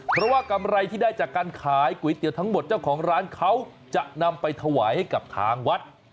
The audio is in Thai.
เพราะว่ากำไรที่ได้จากการขายก๋วยเตี๋ยวทั้งหมดเจ้าของร้านเขาจะนำไปถวายให้กับทางวัด